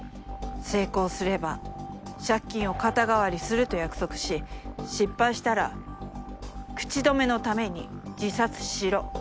成功すれば借金を肩代わりすると約束し失敗したら口止めのために自殺しろ。